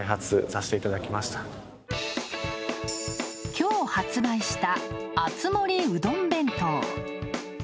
きょう発売した、熱盛うどん弁当。